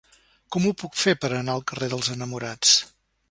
Com ho puc fer per anar al carrer dels Enamorats?